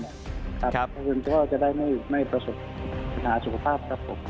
เพราะว่าจะได้ไม่ประสบปัญหาสุขภาพครับ